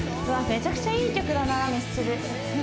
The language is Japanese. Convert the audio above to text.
めちゃくちゃいい曲だなミスチル